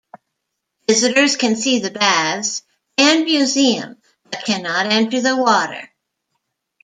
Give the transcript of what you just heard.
Visitors can see the Baths and Museum but cannot enter the water.